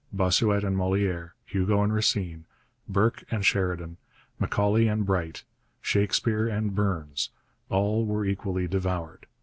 Bossuet and Molière, Hugo and Racine, Burke and Sheridan, Macaulay and Bright, Shakespeare and Burns, all were equally devoured.